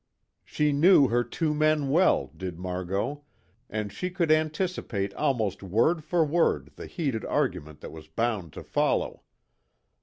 She knew her two men well, did Margot, and she could anticipate almost word for word the heated argument that was bound to follow.